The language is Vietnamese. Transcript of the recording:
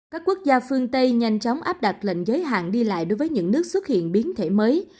các quốc gia phương tây nhanh chóng áp đặt lệnh giới hạn đi lại đối với những nước xuất hiện biến thể mới